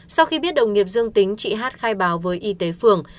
sau khi biết đồng nghiệp dương tính chị hát khai báo với y tế phường